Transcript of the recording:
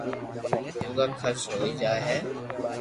روگا خرچ ھوئي جائي ھي